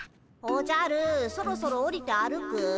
おじゃるそろそろおりて歩く？